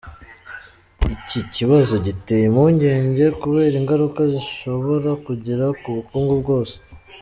Iki kibazo giteye impungenge kubera ingaruka gishobora kugira ku bukungu bwose.